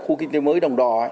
khu kinh tế mới đồng đỏ